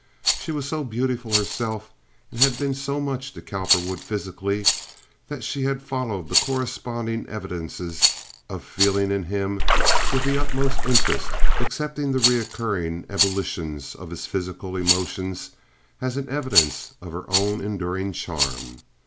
She was so beautiful herself, and had been so much to Cowperwood physically, that she had followed the corresponding evidences of feeling in him with the utmost interest, accepting the recurring ebullitions of his physical emotions as an evidence of her own enduring charm.